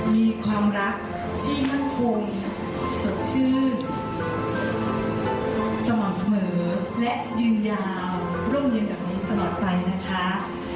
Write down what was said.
มีความรักที่มั่นคงสดชื่นสม่ำเสมอและยืนยาวร่มเย็นแบบนี้ตลอดไปนะคะ